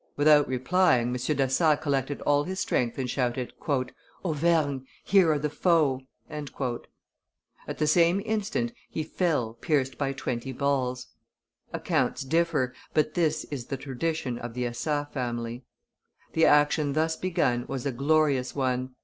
Without replying, M. d'Assas collected all his strength and shouted, "Auvergne! Here are the foe!" At the same instant he fell pierced by twenty balls. [Accounts differ; but this is the tradition of the Assas family.] The action thus begun was a glorious one.